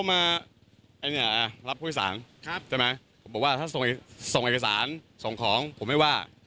เขามารับผู้อิกษาบอกว่าถ้าส่งเอกสารส่งของผมไม่ว่า